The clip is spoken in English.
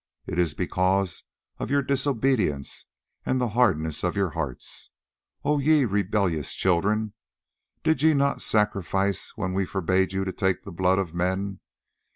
It is because of your disobedience and the hardness of your hearts, O ye rebellious children. Did ye not do sacrifice when we forbade you to take the blood of men?